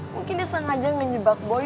mungkin dia sengaja menyebab boy